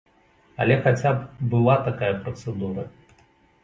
Але хаця б была такая працэдура.